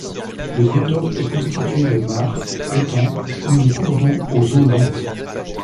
Le biotope est constitué de mares, étangs, ou de cours d'eau aux eaux lentes.